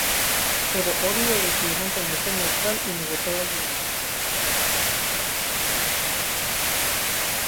Pero Oribe decidió mantenerse neutral y negó toda ayuda.